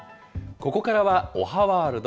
ここからは、おはワールド。